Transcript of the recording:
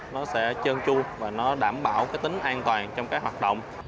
nó sẽ chơn chua và nó đảm bảo tính an toàn